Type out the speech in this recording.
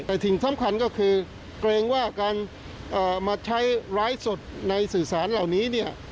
แต่สิ่งสำคัญก็คือเกรงว่าการมาใช้ไลฟ์สดในสื่อสารเหล่านี้เนี่ย